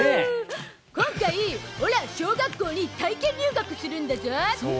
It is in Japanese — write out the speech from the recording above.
今回、オラ小学校に体験入学するんだゾ！